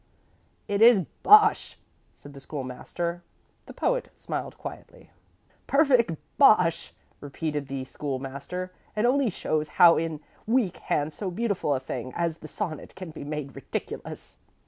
'" "It is bosh!" said the School master. The Poet smiled quietly. "Perfect bosh!" repeated the School master. "And only shows how in weak hands so beautiful a thing as the sonnet can be made ridiculous."